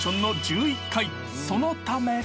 ［そのため］